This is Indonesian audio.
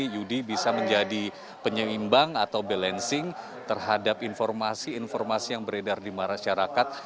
yudi bisa menjadi penyeimbang atau balancing terhadap informasi informasi yang beredar di masyarakat